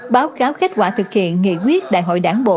báo cáo kết quả thực hiện nghị quyết đại hội đảng bộ